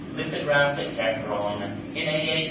Lithographed at Teheran in a.h.